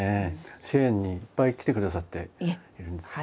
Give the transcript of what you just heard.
支援にいっぱい来てくださっているんですね。